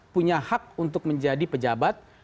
punya hak untuk menjadi pejabat